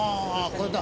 これだ。